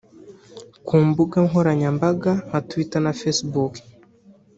ku mbuga nkoranyambaga nka twitter na Facebook